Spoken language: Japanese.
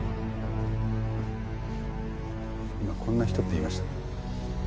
今「こんな人」って言いました？